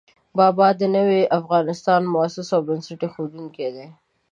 بابا د نوي افغانستان مؤسس او بنسټ اېښودونکی دی.